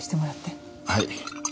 はい。